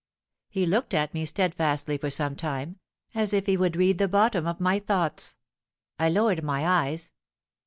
He looked at me steadfastly for some time, as if he would read the bottom of my thoughts. I lowered my eyes.